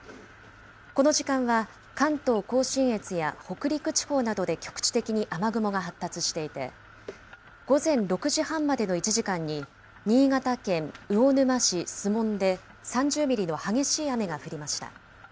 この時間は関東甲信越や北陸地方などで局地的に雨雲が発達していて、午前６時半までの１時間に、新潟県魚沼市守門で３０ミリの激しい雨が降りました。